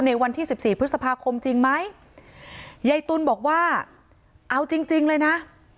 ในวันที่๑๔พฤษภาคมจริงไหมยายตุ๋นบอกว่าเอาจริงเลยนะ